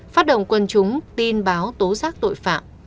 phát động quân chúng tin báo tố giác tội phạm